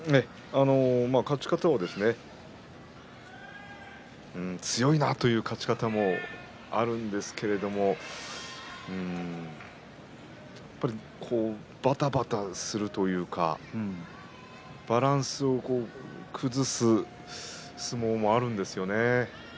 勝ち方は、強いなという勝ち方もあるんですが時々、ばたばたするというかバランスを崩す相撲もあるんです。